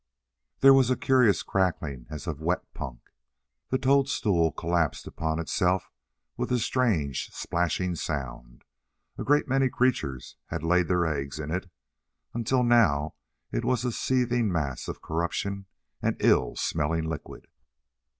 There was a curious crackling as of wet punk. The toadstool collapsed upon itself with a strange splashing sound. A great many creatures had laid their eggs in it, until now it was a seething mass of corruption and ill smelling liquid.